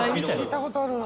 聞いたことある。